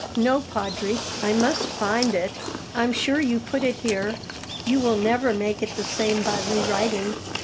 "No, Padre, I must find it; I'm sure you put it here. You will never make it the same by rewriting."